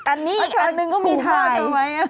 อันนี้อีกอันนึงก็มีถ่าย